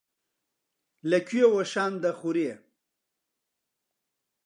لە کوێوە شان دەخورێ.